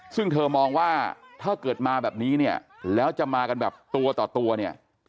ซึ่งเธอมองว่าถ้าเกิดมาแบบนี้เนี่ยแล้วจะมากันแบบตัวต่อตัวเนี่ย